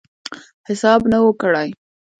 حساب نه وو کړی.